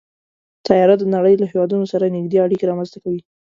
طیاره د نړۍ له هېوادونو سره نږدې اړیکې رامنځته کوي.